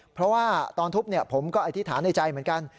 เพราะว่าตอนทุบผมก็อธิษฐานในใจเหมือนกัน